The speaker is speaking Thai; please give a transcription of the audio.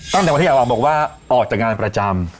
ตั้งแต่วันที่อยากออกบอกว่าออกจากงานประจำ